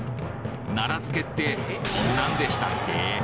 奈良漬ってこんなんでしたっけ？